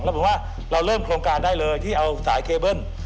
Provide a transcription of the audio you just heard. บอกว่าเราเริ่มโครงการได้เลยที่เอาสายเคเบิ้ล